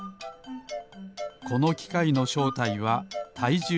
このきかいのしょうたいはたいじゅうけい。